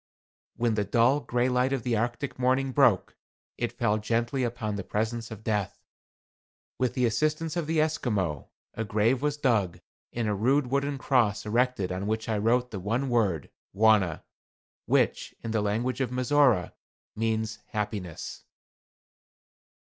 When the dull, gray light of the Arctic morning broke, it fell gently upon the presence of Death. With the assistance of the Esquimaux, a grave was dug, and a rude wooden cross erected on which I wrote the one word "Wauna," which, in the language of Mizora, means "Happiness."